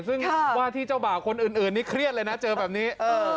ซึ่งว่าที่เจ้าบ่าวคนอื่นนี้เครียดเลยนะเจอแบบนี้